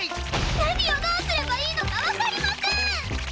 何をどうすればいいのかわかりません！